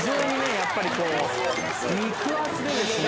やっぱりこう肉厚でですね